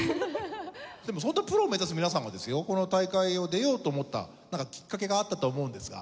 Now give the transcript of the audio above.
でもそんなプロを目指す皆さんがですよこの大会に出ようと思ったなんかきっかけがあったと思うんですが。